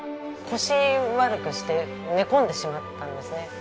腰を悪くして寝込んでしまったんですね。